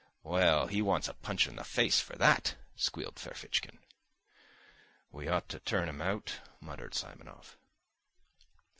"Well, he wants a punch in the face for that," squealed Ferfitchkin. "We ought to turn him out," muttered Simonov.